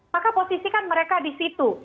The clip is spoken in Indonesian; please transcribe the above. maka posisi kan mereka di sini